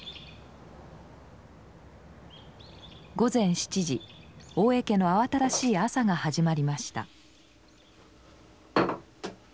午前７時大江家の慌ただしい朝が始まりました。